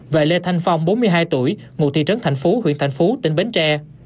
và lê thanh phong bốn mươi hai tuổi ngụ thị trấn thành phú huyện thành phú tỉnh bến tre